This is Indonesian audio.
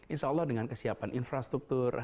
insya allah dengan kesiapan infrastruktur